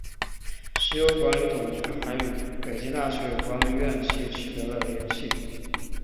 石油管理总局还与北京大学有关的院系取得了联系。